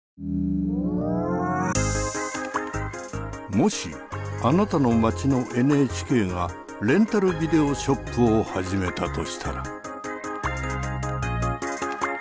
もしあなたの街のＮＨＫがレンタルビデオショップを始めたとしたら。